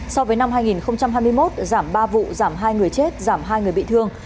so với năm hai nghìn hai mươi một giảm ba vụ giảm hai người chết giảm hai người bị thương